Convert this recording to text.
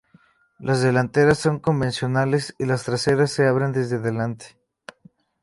Las delanteras son convencionales y las traseras se abren desde delante.